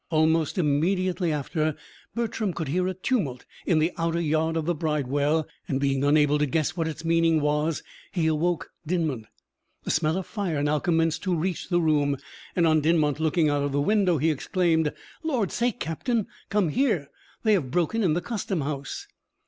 Almost immediately after, Bertram could hear a tumult in the outer yard of the bridewell, and, being unable to guess what its meaning was, he awoke Dinmont. The smell of fire now commenced to reach the room, and, on Dinmont looking out of the window, he exclaimed: "Lord's sake, captain! come here; they have broken in the custom house!"